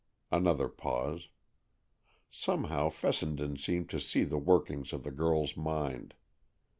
Another pause. Somehow, Fessenden seemed to see the workings of the girl's mind.